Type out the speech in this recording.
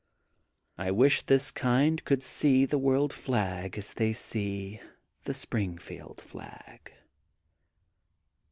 I wish his kind could see the World Flag as they see the Springfield Flag.